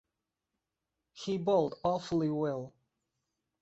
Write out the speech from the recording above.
He bowled awfully well.